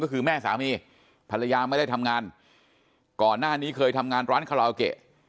ก็คือแม่สามีภรรยาไม่ได้ทำงานก่อนหน้านี้เคยทำงานร้านคาราโอเกะ